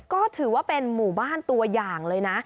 ก็ถือว่าเป็นหมู่บ้านตัวอย่างเลยนะ